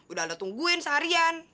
udah alda tungguin seharian